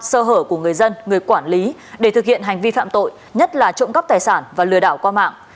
sơ hở của người dân người quản lý để thực hiện hành vi phạm tội nhất là trộm cắp tài sản và lừa đảo qua mạng